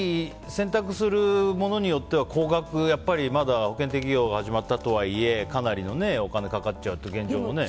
選択するものによっては高額保険適用が始まったとはいえかなりのお金がかかっちゃうという現状もね。